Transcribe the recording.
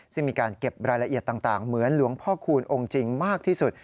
ซึ่งมีการเก็บรายละเอียดต่างเหมือนหลวงพ่อคูณองค์จริงมากที่สุด